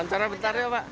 lancar sebentar ya pak